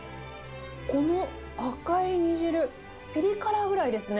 この赤い煮汁、ピリ辛ぐらいですね。